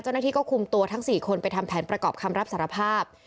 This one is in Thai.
เจ้าหน้าที่ก็คุมตัวทั้ง๔คนไปทำแผนประกอบคำรับสารภาพ